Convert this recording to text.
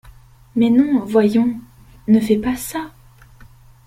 Mais non, voyons, ne fais pas ça !